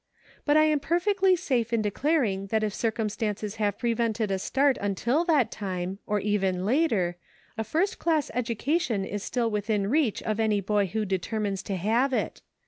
But I am perfectly safe in declar r ing that if circumstances have prevented a start until that time, or even later, a first class educa tion is still within reach of any boy who deter mines to have it.